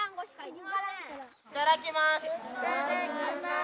いただきます。